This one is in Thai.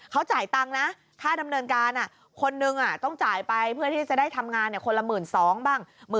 เขาจ่ายตังค์นะค่าดำเนินการคนหนึ่งต้องจ่ายไปเพื่อที่จะได้ทำงานคนละ๑๒๐๐บ้าง